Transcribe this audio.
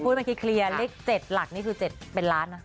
เมื่อกี้เคลียร์เลข๗หลักนี่คือ๗เป็นล้านนะ